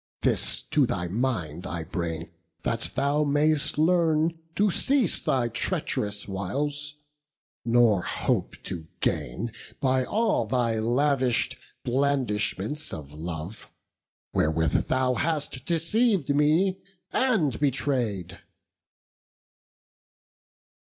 This to thy mind I bring, that thou mayst learn To cease thy treach'rous wiles, nor hope to gain By all thy lavish'd blandishments of love, Wherewith thou hast deceived me, and betray'd."